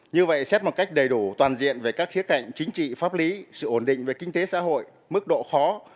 như vậy xét một cách đầy đủ toàn diện về các khía cạnh chính trị pháp lý sự ổn định về kinh tế xã hội mức độ khó